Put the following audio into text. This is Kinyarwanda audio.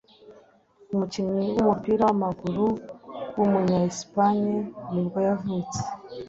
umukinnyi w’umupira w’amaguru w’umunya Espagne ni bwo yavutse